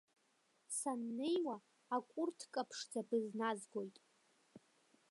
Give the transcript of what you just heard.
Саннеиуа акурҭка ԥшӡа бызназгоит.